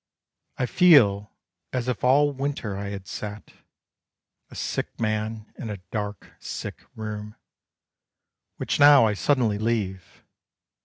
I feel as if all winter I had sat, A sick man, in a dark, sick room, Which now I suddenly leave.